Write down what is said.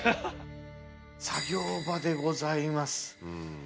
作業場でございます。